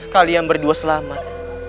kalian berdua selamat